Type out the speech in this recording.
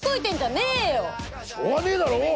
しょうがねえだろ。